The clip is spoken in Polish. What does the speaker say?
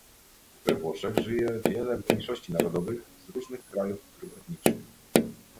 we Włoszech żyje wiele mniejszości narodowych z różnych krajów i grup etnicznych